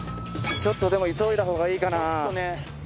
ちょっとでも急いだほうがいいかな。